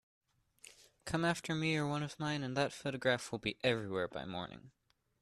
Come after me or one of mine, and that photograph will be everywhere by morning.